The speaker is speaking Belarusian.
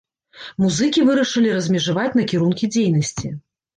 Музыкі вырашылі размежаваць накірункі дзейнасці.